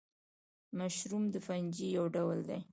مشروم د فنجي یو ډول دی